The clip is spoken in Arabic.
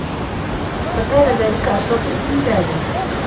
فَكَانَ ذَلِكَ أَشْرَفَ لِلْبَاذِلِ